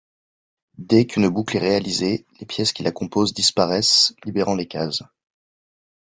Dès qu'une boucle est réalisée, les pièces qui la composent disparaissent, libérant les cases.